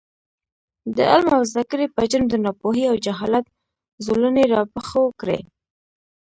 د عـلم او زده کـړې پـه جـرم د نـاپـوهـۍ او جـهالـت زولـنې راپښـو کـړي .